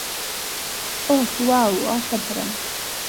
ওহ, wow, অসাধারণ।